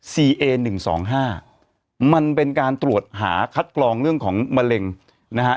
เอหนึ่งสองห้ามันเป็นการตรวจหาคัดกรองเรื่องของมะเร็งนะฮะ